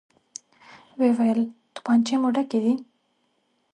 ويې ويل: توپانچې مو ډکې دي؟